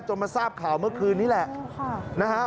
มาทราบข่าวเมื่อคืนนี้แหละนะฮะ